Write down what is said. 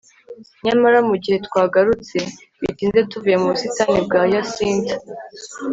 ––Nyamara mugihe twagarutse bitinze tuvuye mu busitani bwa Hyacint